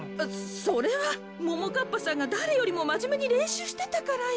それはももかっぱさんがだれよりもまじめにれんしゅうしてたからよ。